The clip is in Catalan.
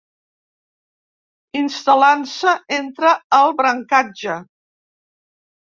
Instal·lant-se entre el brancatge.